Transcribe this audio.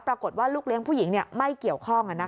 ปรากฏว่าลูกเลี้ยงผู้หญิงไม่เกี่ยวข้อง